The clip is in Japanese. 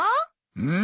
うん！